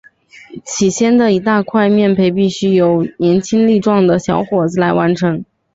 起先的一大块面培必须由年轻力壮的小伙子来完成。